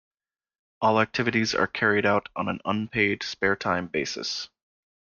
All activities are carried out on an unpaid, spare time basis.